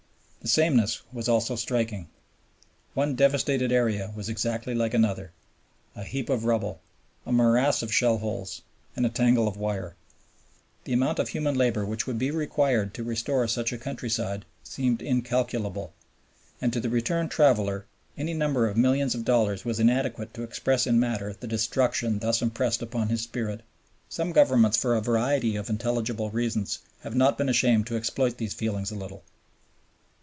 The sameness was also striking. One devastated area was exactly like another a heap of rubble, a morass of shell holes, and a tangle of wire. The amount of human labor which would be required to restore such a countryside seemed incalculable; and to the returned traveler any number of milliards of dollars was inadequate to express in matter the destruction thus impressed upon his spirit. Some Governments for a variety of intelligible reasons have not been ashamed to exploit these feelings a little.